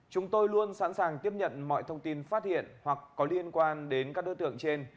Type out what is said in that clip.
chúng tôi luôn sẵn sàng tiếp nhận mọi thông tin phát hiện hoặc có liên quan đến các đối tượng trên